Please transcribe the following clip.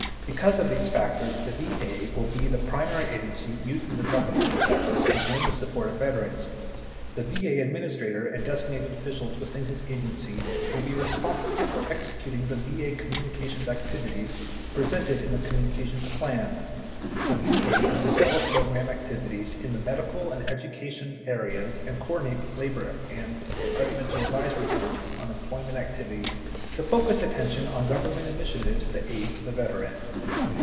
Because of these factors the VA will be the primary agency used in the governmental effort to win the support of veterans. The VA Administrator and designated officials within his agency will be responsible for executing the VA communications activities presented in the Communi cations Plan. The VA will develop program activities in the medical and education areas and coordinate with labor and the Presidential advisory group on employment activities to focus attention on governmental initiatives to aid the vet eran.